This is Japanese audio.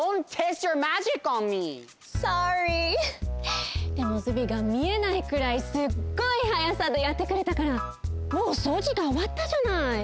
Ｓｏｒｒｙ．でもズビーが見えないくらいすっごいはやさでやってくれたからもうそうじがおわったじゃない。